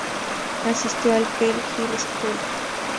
Asistió al Kell High School.